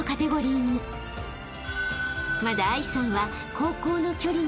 ［まだ藍さんは］